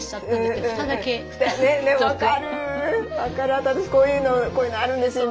あと私こういうのこういうのあるんですよ